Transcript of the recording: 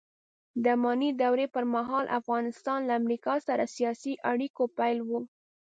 د اماني دورې پرمهال افغانستان له امریکا سره سیاسي اړیکو پیل و